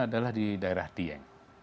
adalah di daerah dieng